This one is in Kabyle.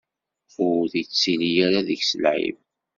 Ur ittili ara deg-s lɛib.